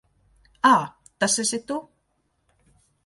Ā, tas esi tu.